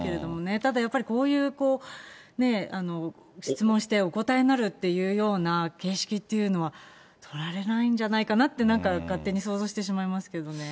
ただやっぱり、こういう質問して、お答えになるっていうような形式っていうのは、取られないんじゃないかなって、なんか勝手に想像してしまいますけどね。